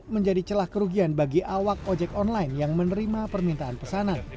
menjadi celah kerugian bagi awak ojek online yang menerima permintaan pesanan